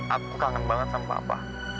aku kangen banget sama apa